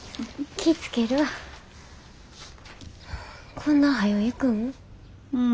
こんなはよ行くん？